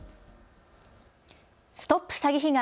ＳＴＯＰ詐欺被害！